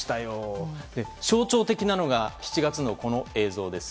象徴的なのが７月のこの映像です。